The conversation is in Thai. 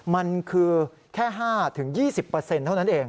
มันคือแค่๕๒๐เท่านั้นเอง